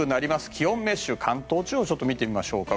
気温メッシュ関東地方を見てみましょう。